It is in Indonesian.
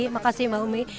makasih mbak umi